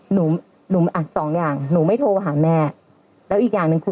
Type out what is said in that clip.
หนูหนูอ่ะสองอย่างหนูไม่โทรหาแม่แล้วอีกอย่างหนึ่งคือ